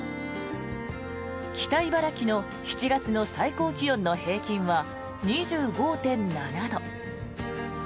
北茨城の７月の最高気温の平均は２５．７度。